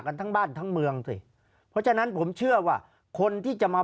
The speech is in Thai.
กันทั้งบ้านทั้งเมืองสิเพราะฉะนั้นผมเชื่อว่าคนที่จะมา